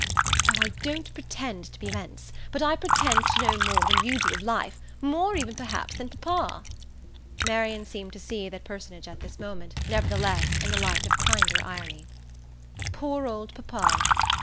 "Oh I don't pretend to be immense, but I pretend to know more than you do of life; more even perhaps than papa." Marian seemed to see that personage at this moment, nevertheless, in the light of a kinder irony. "Poor old papa!"